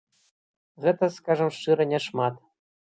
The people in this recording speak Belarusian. Гэта, скажам шчыра, няшмат.